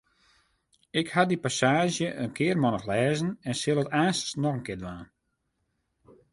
Ik haw dy passaazje in kearmannich lêzen en sil it aanstens noch ris dwaan.